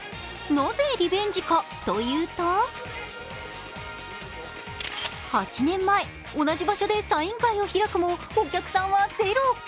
なぜ、リベンジかというと８年前、同じ場所でサイン会を開くもお客さんはゼロ。